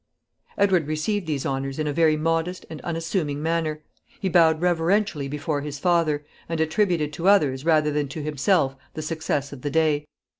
Edward received these honors in a very modest and unassuming manner. He bowed reverentially before his father, and attributed to others rather than to himself the success of the day.